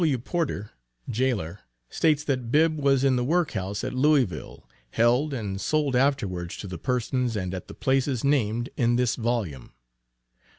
W. Porter, Jailor, states that Bibb was in the work house at Louisville, held and sold afterwards to the persons and at the places named in this volume.